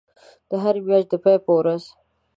د هری میاشتی د پای په ورځ